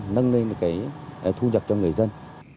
nâng lên thu nhập cho người dân